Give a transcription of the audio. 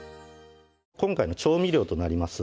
今回の調味料となります